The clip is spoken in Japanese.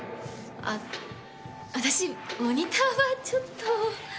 あっ私モニターはちょっと。